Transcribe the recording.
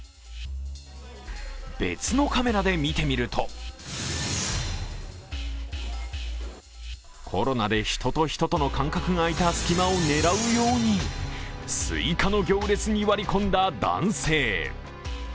別のカメラで見てみるとコロナで人と人との間隔が空いた隙間を狙うようにすいかの行列に割り込んだ男性。